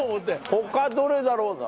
他どれだろうな？